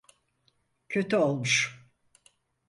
Kötü olmuş.